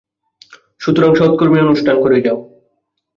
সুতরাং সৎকর্মের অনুষ্ঠান করে যাও।